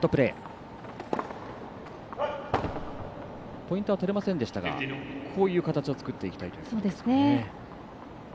ポイントは取れませんでしたがこういう形を作っていきたいということですね。